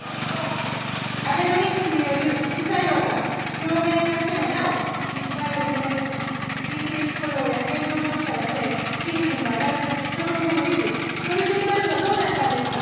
アベノミクスによる副作用が表面化してもなお失敗を認めず、非正規雇用や派遣労働者は増え、賃金も上がらず消費も伸びず、トリクルダウンはどうなったんですか。